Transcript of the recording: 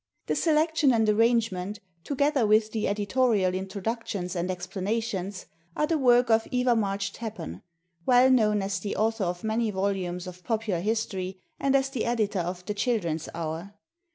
The selection and arrangement, together with the editorial introductions and explanations, are the work of Eva March Tappan, well known as the author of many volumes of popular history and as the editor of "The Children's Hour."